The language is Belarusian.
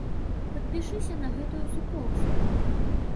Падпішыся на гэтую суполцы.